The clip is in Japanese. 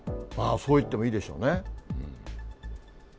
そう言ってもいいでしょうね。